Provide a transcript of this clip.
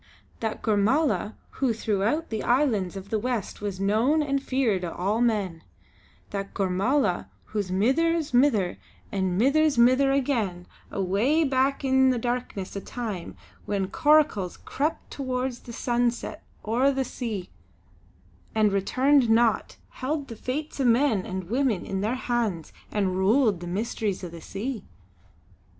That Gormala who throughout the islands of the west was known and feared o' all men; that Gormala whose mither's mither, and mither's mither again, away back into the darkness o' time when coracles crept towards the sunset ower the sea and returned not, held the fates o' men and women in their han's and ruled the Mysteries o' the Sea."